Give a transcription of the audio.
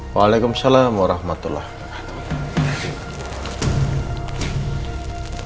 waalaikumsalam warahmatullahi wabarakatuh